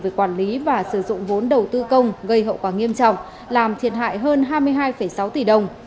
về quản lý và sử dụng vốn đầu tư công gây hậu quả nghiêm trọng làm thiệt hại hơn hai mươi hai sáu tỷ đồng